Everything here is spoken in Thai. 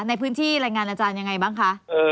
ในพื้นที่รายงานอาจารย์ยังไงบ้างคะ